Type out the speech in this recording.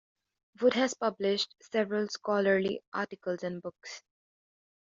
Wood has published several scholarly articles and books.